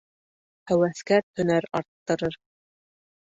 Һәүәҫкәр һөнәр арттырыр.